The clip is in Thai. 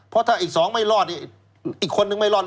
เพราะถ้าอีก๒ไม่รอดอีกคนนึงไม่รอด